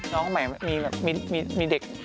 น้องใหม่มีเด็ก